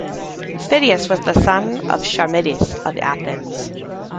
Phidias was the son of Charmides of Athens.